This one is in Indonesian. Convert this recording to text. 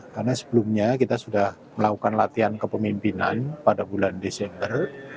karena sebelumnya kita sudah melakukan latihan kepemimpinan pada bulan desember